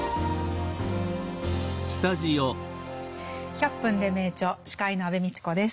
「１００分ｄｅ名著」司会の安部みちこです。